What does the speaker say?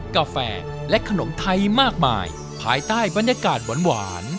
กาแฟและขนมไทยมากมายภายใต้บรรยากาศหวาน